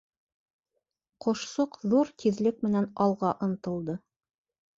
Ҡошсоҡ ҙур тиҙлек менән алға ынтылды.